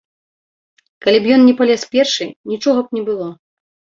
Калі б ён не палез першы, нічога б не было.